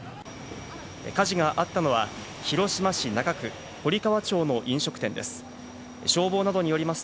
火事があったのは広島市中区堀川町の飲食店です。